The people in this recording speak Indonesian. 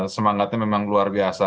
semangatnya memang luar biasa